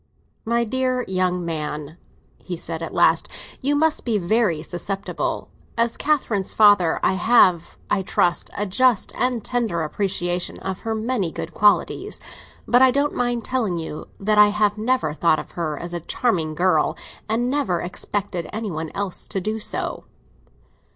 "My dear young man," he said at last, "you must be very susceptible. As Catherine's father, I have, I trust, a just and tender appreciation of her many good qualities; but I don't mind telling you that I have never thought of her as a charming girl, and never expected any one else to do so."